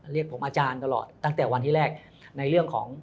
เรียกผมอาจารย์ตลอดตั้งแต่วันที่แรก